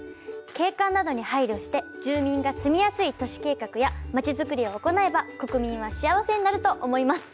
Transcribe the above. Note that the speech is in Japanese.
景観などに配慮して住民が住みやすい都市計画や町づくりを行えば国民は幸せになると思います。